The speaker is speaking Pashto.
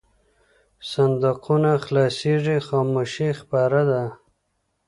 صندوقونه خلاصېږي خاموشي خپره ده.